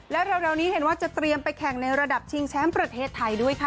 แล้วเร็วนี้เห็นว่าจะเตรียมไปแข่งในระดับชิงแชมป์ประเทศไทยด้วยค่ะ